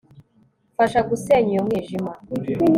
mfasha gusenya uyu mwijima